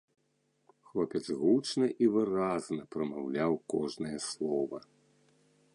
Хлопец гучна і выразна прамаўляў кожнае слова.